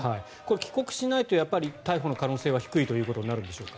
帰国しないと逮捕の可能性は低いということになるのでしょうか。